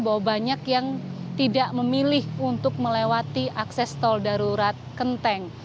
bahwa banyak yang tidak memilih untuk melewati akses tol darurat kenteng